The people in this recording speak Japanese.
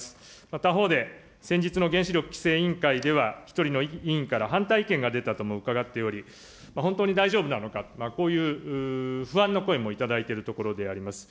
他方で先日の原子力規制委員会では、１人の委員から反対意見が出たとも伺っており、本当に大丈夫なのか、こういう不安の声も頂いているところであります。